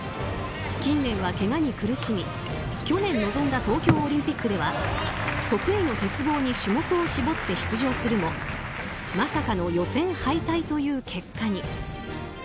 近年は、けがに苦しみ去年臨んだ東京オリンピックでは得意の鉄棒に種目を絞って出場するもまさかの予選敗退という結果に。